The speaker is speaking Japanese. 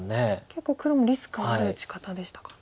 結構黒もリスクある打ち方でしたか。